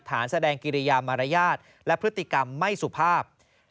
แสดงกิริยามารยาทและพฤติกรรมไม่สุภาพ